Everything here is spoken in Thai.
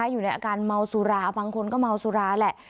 อยู่ในอาการเมาสุราบางคนก็เมาสุราแหละ